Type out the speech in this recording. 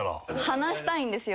離したいんですよ。